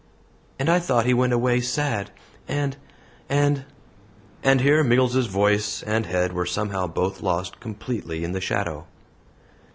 And I thought he went away sad and and " and here Miggles's voice and head were somehow both lost completely in the shadow.